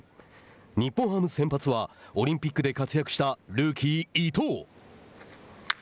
日本ハム先発はオリンピックで活躍したルーキー伊藤。